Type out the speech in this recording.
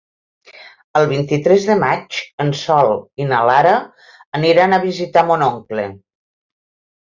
El vint-i-tres de maig en Sol i na Lara aniran a visitar mon oncle.